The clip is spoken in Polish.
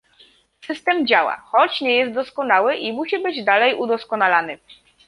System działa, choć nie jest doskonały i musi być dalej udoskonalany